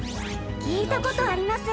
聞いた事あります。